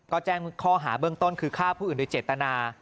ก็แจ้งข้อหาเบื้องต้นคือฆ่าผู้อื่นโดยเจตนา